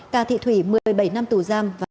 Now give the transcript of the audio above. cà thị thủy một mươi bảy năm tù giam